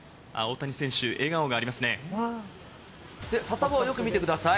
サタボー、よく見てください。